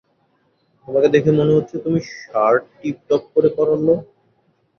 তোমাকে দেখে মনে হচ্ছে তুমি শার্ট টিপটপ করে পরার লোক।